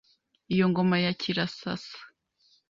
Iyi ngoma ya Kirasasa